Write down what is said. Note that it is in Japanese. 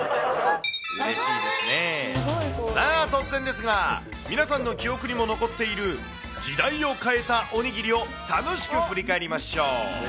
さあ、突然ですが、皆さんの記憶にも残っている、時代を変えたおにぎりを楽しく振り返りましょう。